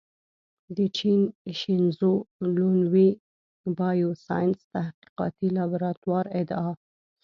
د چین شینزو لونوي بایوساینس تحقیقاتي لابراتوار ادعا